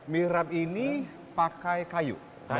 mihrab ini pakai kayu